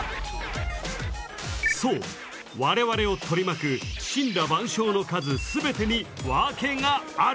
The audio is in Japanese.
そう我々を取り巻く森羅万象の数全てにワケがある！